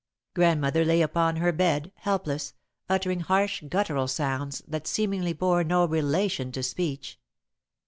Grandmother lay upon her bed, helpless, uttering harsh, guttural sounds that seemingly bore no relation to speech.